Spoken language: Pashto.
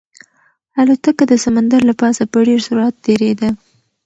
الوتکه د سمندر له پاسه په ډېر سرعت تېرېده.